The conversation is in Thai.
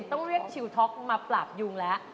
ต้องเรียกชิลท็อกมาปราบยุงแล้ว